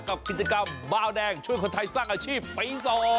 กับกิจกรรมบาวแดงช่วยคนไทยสร้างอาชีพปี๒